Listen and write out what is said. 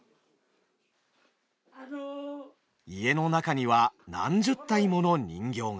家の中には何十体もの人形が。